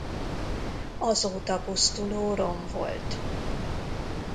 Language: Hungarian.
Azóta pusztuló rom volt.